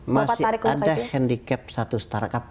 masih ada handicap satu startup